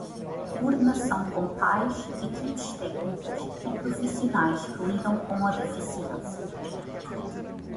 Coordenação com pais, equipes técnicas e profissionais que lidam com a deficiência.